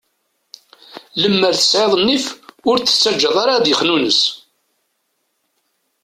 Lemmer tesɛiḍ nnif, ur t-tettaǧǧaḍ ara ad ixnunes.